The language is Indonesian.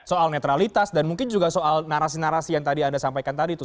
soal netralitas dan mungkin juga soal narasi narasi yang tadi anda sampaikan tadi itu